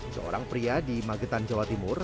seorang pria di magetan jawa timur